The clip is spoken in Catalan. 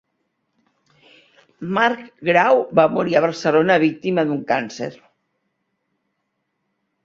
Marc Grau va morir a Barcelona, víctima d'un càncer.